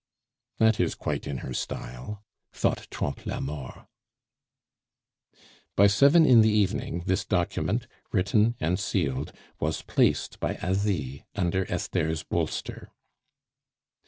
"That is quite in her style," thought Trompe la Mort. By seven in the evening this document, written and sealed, was placed by Asie under Esther's bolster.